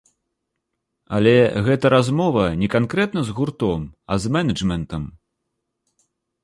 Але гэта размова не канкрэтна з гуртом, а з мэнэджмэнтам.